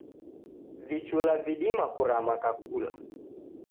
Vichula vidima kurama kakula.